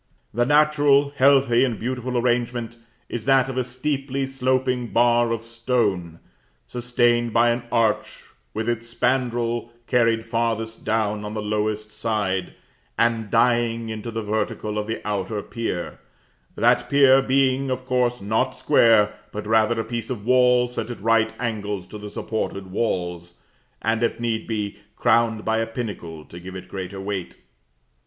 The natural, healthy, and beautiful arrangement is that of a steeply sloping bar of stone, sustained by an arch with its spandril carried farthest down on the lowest side, and dying into the vertical of the outer pier; that pier being, of course, not square, but rather a piece of wall set at right angles to the supported walls, and, if need be, crowned by a pinnacle to give it greater weight.